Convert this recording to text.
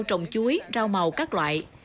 rau trồng chuối rau màu các loại